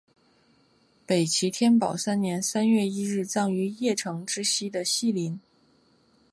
北齐天保三年三月一日葬于邺城之西的西陵。